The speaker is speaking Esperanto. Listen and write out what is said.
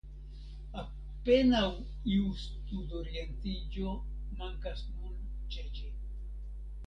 Apenaŭ iu studorientiĝo mankas nun ĉe ĝi.